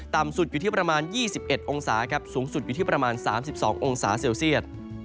ต่ำสุดอยู่ที่ประมาณ๒๑องศาครับสูงสุดอยู่ที่ประมาณ๓๒องศาเซลเซียต